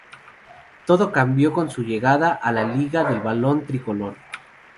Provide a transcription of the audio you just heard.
Todo cambió con su llegada a la liga del balón tricolor.